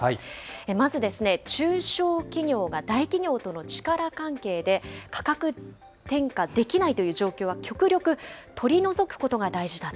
まず中小企業が大企業との力関係で、価格転嫁できないという状況は、極力取り除くことが大事だと。